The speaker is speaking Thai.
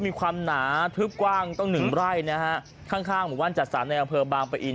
มีความหนาทึบกว้างต้องหนึ่งไร่นะฮะข้างข้างหมู่บ้านจัดสรรในอำเภอบางปะอิน